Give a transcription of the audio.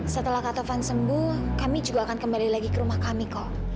setelah kak tovan sembuh kami juga akan kembali lagi ke rumah kami kok